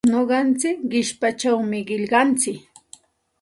Nuqantsik qichpachawmi qillqantsik.